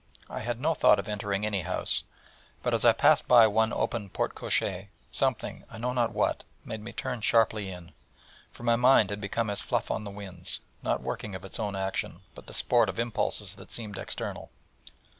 I had no thought of entering any house, but as I passed by one open porte cochère, something, I know not what, made me turn sharply in, for my mind had become as fluff on the winds, not working of its own action, but the sport of impulses that seemed external.